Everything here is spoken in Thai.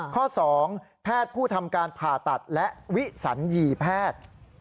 ข้อ๒แพทย์ผู้ทำการผ่าตัดและวิสัญญีแพทย์